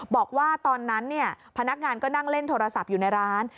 บอกว่าตอนนั้นพนักงานก็นั่งเล่นโทรศัพท์อยู่ในร้าน